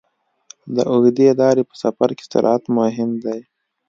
د اوږدې لارې په سفر کې سرعت مهم دی.